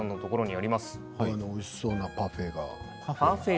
おいしそうなパフェが。